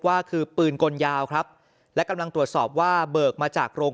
ว่าคือปืนกลยาวครับและกำลังตรวจสอบว่าเบิกมาจากโรง